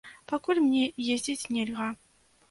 Пакуль мне ездзіць нельга.